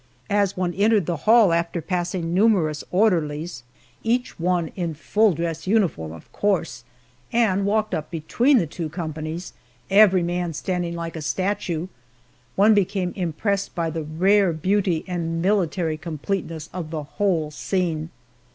As one entered the hall, after passing numerous orderlies, each one in full dress uniform, of course, and walked up between the two companies, every man standing like a statue, one became impressed by the rare beauty and military completeness of the whole scene.